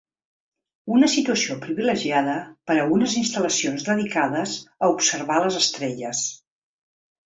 Una situació privilegiada per a unes instal·lacions dedicades a observar les estrelles.